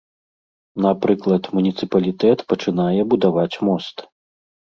Напрыклад, муніцыпалітэт пачынае будаваць мост.